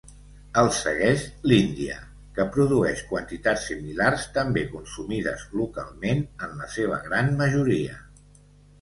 El segueix l'Índia, que produeix quantitats similars, també consumides localment en la seva gran majoria.